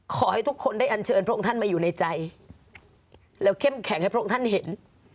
ขอให้ทุกคนได้อันเชิญพระองค์ท่านมาอยู่ในใจแล้วเข้มแข็งให้พระองค์ท่านเห็น